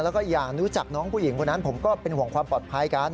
แล้วก็อยากรู้จักน้องผู้หญิงคนนั้นผมก็เป็นห่วงความปลอดภัยกัน